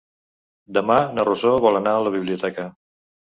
Demà na Rosó vol anar a la biblioteca.